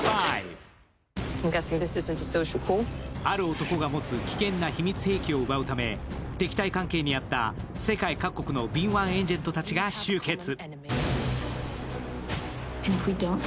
ある男が持つ危険な秘密兵器を奪うため、敵対関係にあった世界各国の敏腕エージェントたちが集結。